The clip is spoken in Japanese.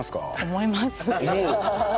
思います。